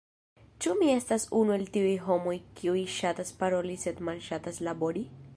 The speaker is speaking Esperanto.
Ĉu mi estas unu el tiuj homoj kiuj ŝatas paroli sed malŝatas labori?